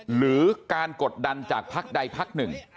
หรือการกดดันจากพักใดพักหนึ่ง